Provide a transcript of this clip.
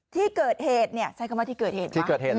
ที่เกิดเหตุใช้คำว่าที่เกิดเหตุ